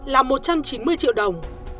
là một trăm chín mươi triệu đồng